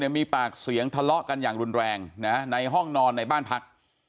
มีปากเสียงทะเลาะกันอย่างรุนแรงในห้องนอนในบ้านพัก